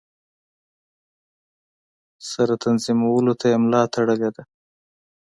سره تنظیمولو ته یې ملا تړلې ده.